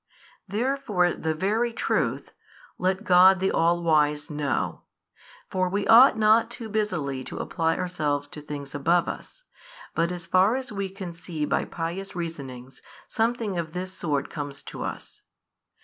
|547 Therefore the very truth, let God the All wise, know; for we ought not too busily to apply ourselves to things above us. But as far as we can see by pious reasonings, something of this sort comes to us.